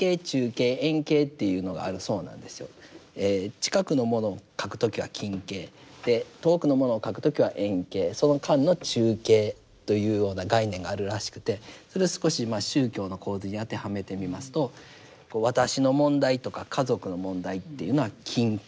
近くのものを描く時は近景で遠くのものを描く時は遠景その間の中景というような概念があるらしくてそれを少し宗教の構図に当てはめてみますと私の問題とか家族の問題っていうのは近景。